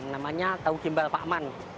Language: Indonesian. namanya tahu gimbal pak man